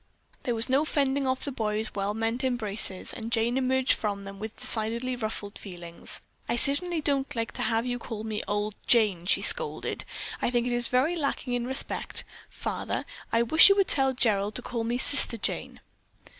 There was no fending off the boy's well meant embraces, and Jane emerged from them with decidedly ruffled feelings. "I certainly don't like to have you call me old Jane," she scolded. "I think it is very lacking in respect. Father, I wish you would tell Gerald to call me Sister Jane."